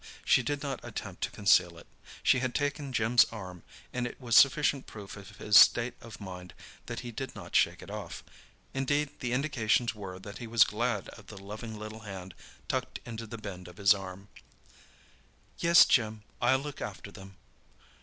She did not attempt to conceal it. She had taken Jim's arm, and it was sufficient proof of his state of mind that he did not shake it off. Indeed, the indications were that he was glad of the loving little hand tucked into the bend of his arm. "Yes, Jim; I'll look after them."